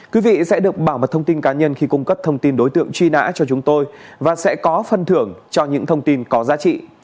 quý vị sẽ được bảo mật thông tin cá nhân khi cung cấp thông tin đối tượng truy nã cho chúng tôi và sẽ có phân thưởng cho những thông tin có giá trị